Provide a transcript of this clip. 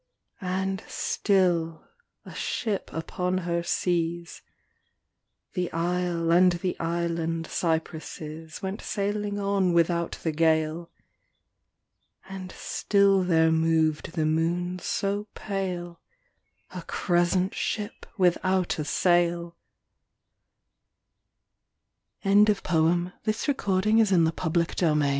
And still, a ship upon her seas. The isle and the island cypresses Went sailing on without the gale : And still there moved the moon so pale, A crescent ship without a sail ' I7S Oak and Olive \ Though I was born a Lond